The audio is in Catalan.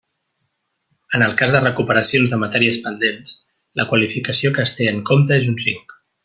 En el cas de recuperacions de matèries pendents, la qualificació que es té en compte és un cinc.